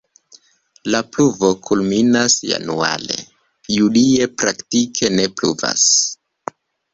La pluvo kulminas januare, julie praktike ne pluvas.